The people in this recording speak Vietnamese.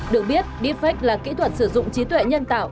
được biết deepfake là kỹ thuật sử dụng trí tuệ nhân tạo